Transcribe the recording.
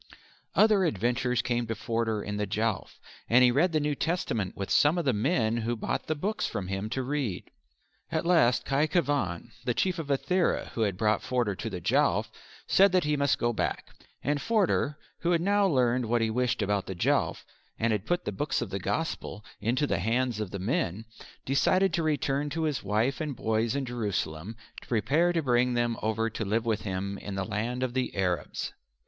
Other adventures came to Forder in the Jowf, and he read the New Testament with some of the men who bought the books from him to read. At last Khy Khevan, the Chief of Ithera, who had brought Forder to the Jowf, said that he must go back, and Forder, who had now learned what he wished about the Jowf, and had put the books of the Gospel into the hands of the men, decided to return to his wife and boys in Jerusalem to prepare to bring them over to live with him in that land of the Arabs.